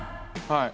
はい。